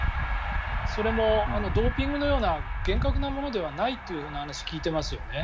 それも、ドーピングのような厳格なものではないという話を聞いていますね。